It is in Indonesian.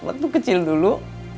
waktu kecil dulu